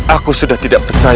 aku sudah tidak percaya